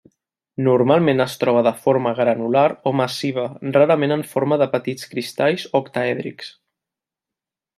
Normalment es troba de forma granular o massiva, rarament en forma de petits cristalls octaèdrics.